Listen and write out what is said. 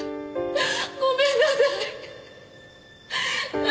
ごめんなさい！